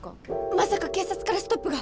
まさか警察からストップが！？